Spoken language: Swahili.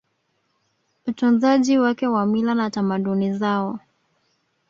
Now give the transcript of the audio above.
utunzaji wake wa mila na tamaduni zao